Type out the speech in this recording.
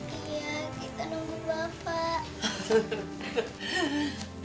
iya kita nunggu bapak